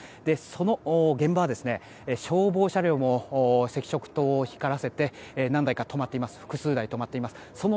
その現場は消防車両も赤色灯を光らせて複数台止まっています。